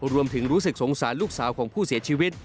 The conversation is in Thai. รู้สึกสงสารลูกสาวของผู้เสียชีวิต